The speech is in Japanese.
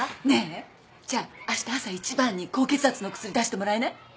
ねえじゃあした朝一番に高血圧の薬出してもらえない？